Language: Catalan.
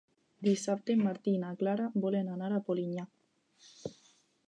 Dissabte en Martí i na Clara volen anar a Polinyà.